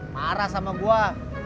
marah sama gue